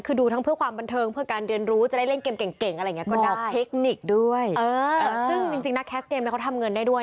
คือดูทั้งเพื่อความบันเทิงเพื่อการเรียนรู้จะได้เล่นเกมเก่งเก่งอะไรอย่างเงี้ยก็ได้เหมาะเทคนิคด้วย